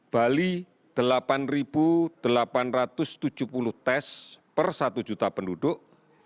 bali delapan delapan ratus tujuh puluh tes per satu juta penduduk